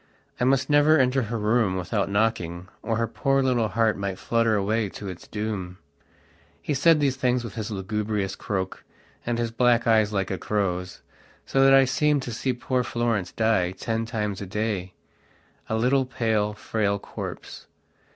I must never enter her room without knocking, or her poor little heart might flutter away to its doom. He said these things with his lugubrious croak, and his black eyes like a crow's, so that I seemed to see poor Florence die ten times a daya little, pale, frail corpse.